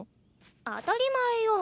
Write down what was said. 当たり前よ！